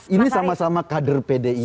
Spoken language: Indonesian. ini sama sama kader pdip loh